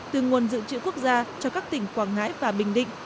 từ nguồn dự trữ quốc gia cho các tỉnh quảng ngãi và bình định